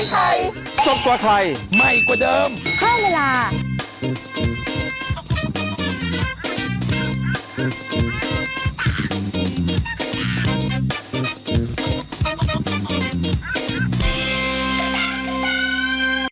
โปรดติดตามตอนต่อไป